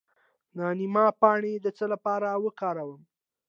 د نیم پاڼې د څه لپاره وکاروم؟